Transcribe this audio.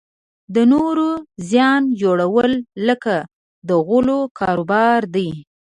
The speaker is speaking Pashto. د نورو زیان جوړول لکه د غولو کاروبار دی.